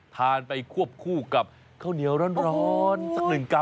ทานไปควบคู่กับข้าวเหนียวร้อนสักหนึ่งกรั